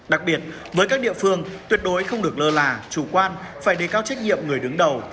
đặc biệt với các địa phương tuyệt đối không được lơ là chủ quan phải đề cao trách nhiệm người đứng đầu